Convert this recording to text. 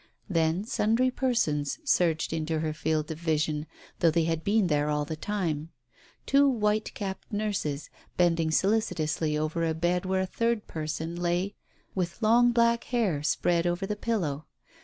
Then sundry persons surged into her field of vision, though they had been there all the time; two white capped nurses, bending solicitously over a bed where a third person lay with long black hair spread over the pillow.